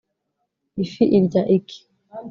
ifi irya iki